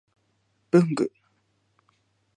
文具